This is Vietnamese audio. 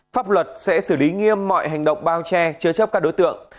pháp luật sẽ xử lý nghiêm mọi hành động bao che chứa chấp các đối tượng